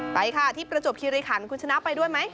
ไปค่ะที่ประจวบคิริขันคุณชนะไปด้วยไหม